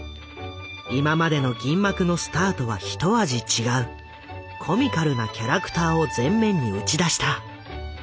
今までの銀幕のスターとは一味違うコミカルなキャラクターを前面に打ち出した。